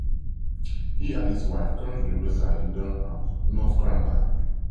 He and his wife currently reside in Durham, North Carolina.